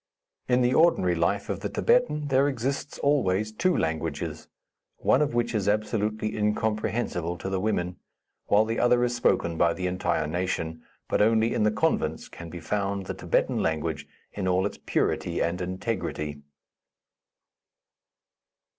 In the ordinary life of the Thibetan, there exists always two languages, one of which is absolutely incomprehensible to the women, while the other is spoken by the entire nation; but only in the convents can be found the Thibetan language in all its purity and integrity.